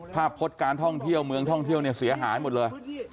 พจน์การท่องเที่ยวเมืองท่องเที่ยวเนี่ยเสียหายหมดเลย